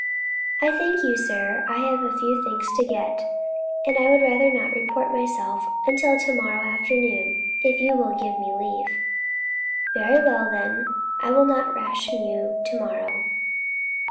"I thank you, sir. I have a few things to get, and I would rather not report myself until to morrow afternoon, if you will give me leave." "Very well, then, I will not ration you to morrow.